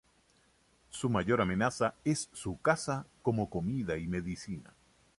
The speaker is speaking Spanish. Su mayor amenaza es su caza como comida y medicina.